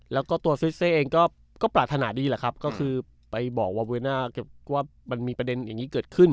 แล้วก็ตัวเองก็ก็ปรารถนาดีแหละครับก็คือไปบอกว่ามีผัดเด็นอย่างงี้เกิดขึ้น